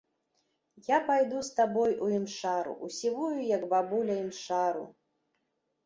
Я пайду з табой у імшару, у сівую, як бабуля, імшару!